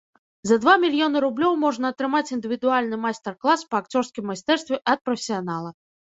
За два мільёны рублёў можна атрымаць індывідуальны майстар-клас па акцёрскім майстэрстве ад прафесіянала.